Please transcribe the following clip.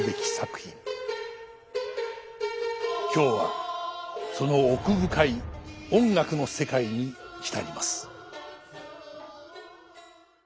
今日はその奥深い音楽の世界に浸ります。